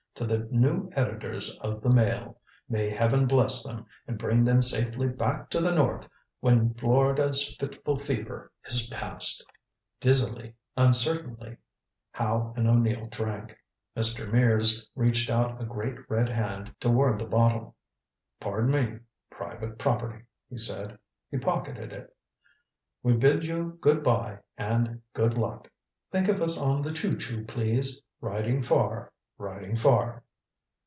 To the new editors of the Mail. May Heaven bless them and bring them safely back to the North when Florida's fitful fever is past." Dizzily, uncertainly, Howe and O'Neill drank. Mr. Mears reached out a great red hand toward the bottle. "Pardon me private property," he said. He pocketed it. "We bid you good by and good luck. Think of us on the choo choo, please. Riding far riding far."